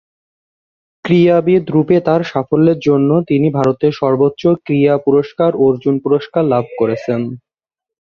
ক্রীড়াবিদ রূপে তার সাফল্যের জন্যে তিনি ভারতের সর্বোচ্চ ক্রীড়া পুরস্কার অর্জুন পুরস্কার লাভ করেছেন।